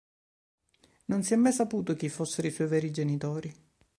Non si è mai saputo chi fossero i suoi veri genitori.